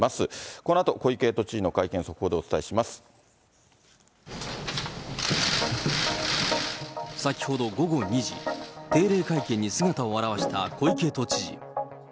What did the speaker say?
このあと小池都知事の会見、速報先ほど午後２時、定例会見に姿を現した小池都知事。